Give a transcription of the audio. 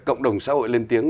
cộng đồng xã hội lên tiếng